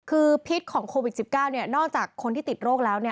คือพิษของโควิด๑๙นอกจากคนที่ติดโรคแล้ว